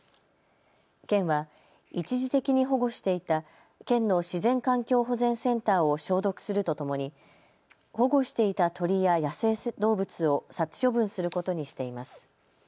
県は一時的に保護していた県の自然環境保全センターを消毒するとともに保護していた鳥や野生動物を殺処分することにしています。